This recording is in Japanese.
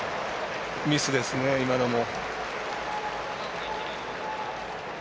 ミスですね、今のも。